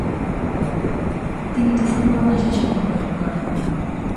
তিনি ডিসেম্বর মাসে জন্মগ্রহণ করেন।